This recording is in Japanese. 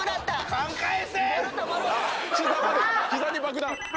膝に爆弾！